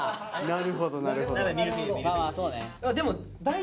なるほどなるほど。